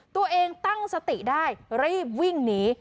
ตัวเองตั้งสติได้รีบวิ่งหนี